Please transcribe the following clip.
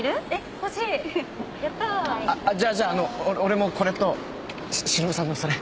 じゃあじゃああの俺もこれとしのぶさんのそれ。